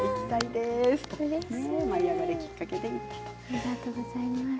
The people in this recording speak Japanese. ありがとうございます。